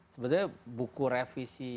sebenarnya buku revisi